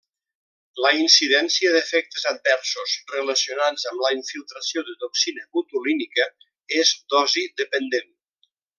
La incidència d'efectes adversos relacionats amb la infiltració de toxina botulínica és dosi dependent.